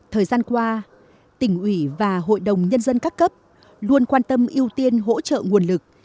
thời gian qua tỉnh ủy và hội đồng nhân dân các cấp luôn quan tâm ưu tiên hỗ trợ nguồn lực